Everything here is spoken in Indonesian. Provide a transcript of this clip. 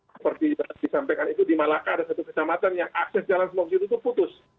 seperti disampaikan itu di malacca ada satu kesamatan yang akses jalan sempat gitu itu putus